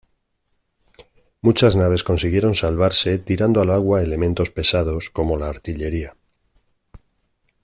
Muchas naves consiguieron salvarse tirando al agua elementos pesados, como la artillería.